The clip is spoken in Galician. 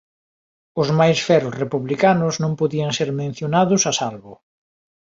Os máis feros republicanos non podían ser mencionados a salvo.